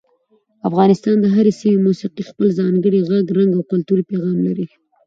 د افغانستان د هرې سیمې موسیقي خپل ځانګړی غږ، رنګ او کلتوري پیغام لري.